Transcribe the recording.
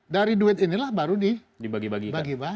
dari duit inilah baru dibagi bagi pak